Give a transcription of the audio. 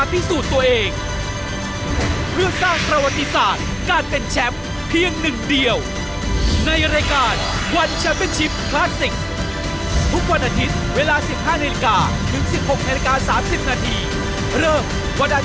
ดูเขาเช้าหัวเขียว